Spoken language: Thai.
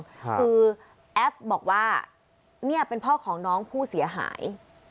คือแอปบอกว่าเนี่ยเป็นพ่อของน้องผู้เสียหาย